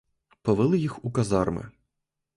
Повели їх у казарми.